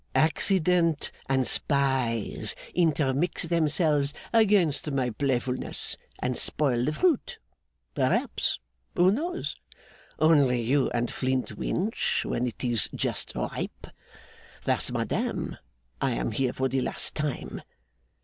Accident and spies intermix themselves against my playfulness, and spoil the fruit, perhaps who knows? only you and Flintwinch when it is just ripe. Thus, madame, I am here for the last time.